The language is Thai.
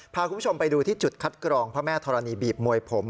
พาคุณผู้ชมไปดูที่จุดคัดกรองพระแม่ธรณีบีบมวยผม